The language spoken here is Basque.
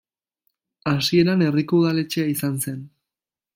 Hasieran herriko udaletxea izan zen.